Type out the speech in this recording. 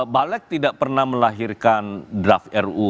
balik tidak pernah melahirkan draft ruu